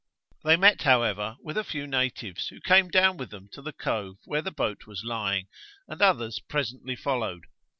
They met however with a few natives, who came down with them to the cove where the boat was lying; and others presently followed.